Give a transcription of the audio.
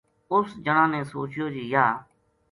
اُس جنا نے سوچیو جی یاہ